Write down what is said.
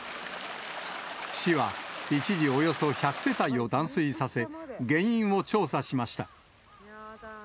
市は、一時、およそ１００世帯を断水させ、原因を調査しました。